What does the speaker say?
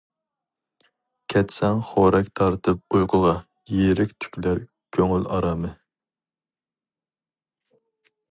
كەتسەڭ خورەك تارتىپ ئۇيقۇغا، يىرىك تۈكلەر كۆڭۈل ئارامى.